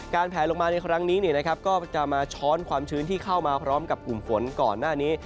แผลลงมาในครั้งนี้ก็จะมาช้อนความชื้นที่เข้ามาพร้อมกับกลุ่มฝนก่อนหน้านี้